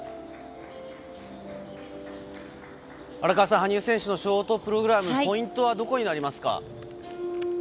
荒川さん、羽生選手のショートプログラム、ポイントはどこになりますか？